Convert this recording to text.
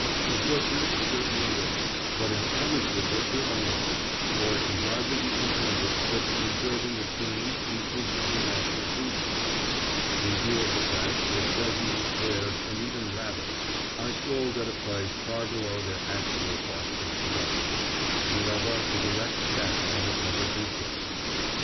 " A butcher he certainly is, but an amateur butcher only, for it can hardly be contended that the preserving of game increases the national food supply, in view of the fact that pheasants, hares, and even rabbits, are sold at a price far below their actual cost of production, and are thus a direct tax on the public resources.